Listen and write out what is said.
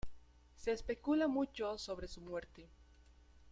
Se especula mucho sobre su muerte.